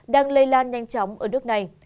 đang lây lan nhanh chóng ở nước này